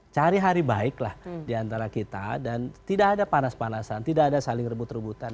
cari hari baiklah diantara kita dan tidak ada panas panasan tidak ada saling rebut rebutan